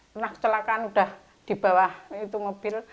pernah kecelakaan udah di bawah itu mobil